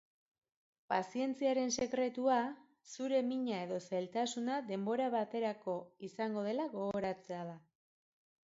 Pazientziaren sekretua, zure mina edo zailtasuna denbora baterako izango dela gogoratzea da.